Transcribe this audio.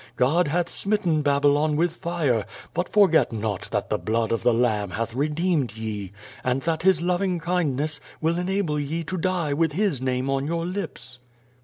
God hath smitten Babylon with fire, but forget not that the blood of the Lamb hath redeemed ye, and that His loving kindness will enable ye to die with His name on your lips."